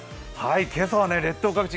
今朝は列島各地